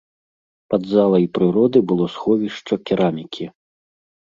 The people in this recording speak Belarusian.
Пад залай прыроды было сховішча керамікі.